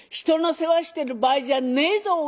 「人の世話してる場合じゃねえぞ